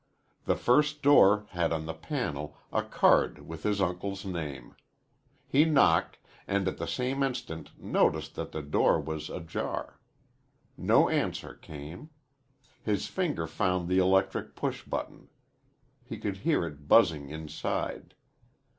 The first door had on the panel a card with his uncle's name. He knocked, and at the same instant noticed that the door was ajar. No answer came. His finger found the electric push button. He could hear it buzzing inside.